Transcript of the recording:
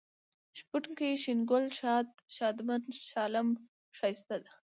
شپونکی ، شين گل ، ښاد ، ښادمن ، ښالم ، ښايسته